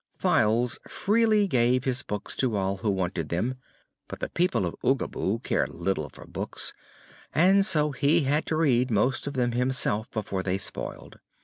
Files freely gave his books to all who wanted them, but the people of Oogaboo cared little for books and so he had to read most of them himself, before they spoiled.